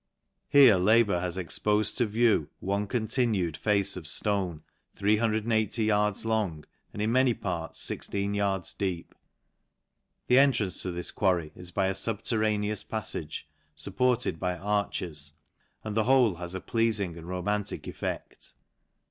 Here labour has expofed to view one continued Face of ftone, 380 yards long, and in ta any parts 16 yards deep. The entrance to this quarry is by a fubterraneous pafTage, fupported bv arches, and the whole has a pleafing and romantic effect.